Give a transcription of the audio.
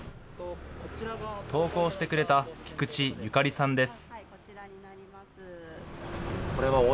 投稿してくれた菊池由佳里さんです。